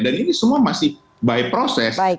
dan ini semua masih by process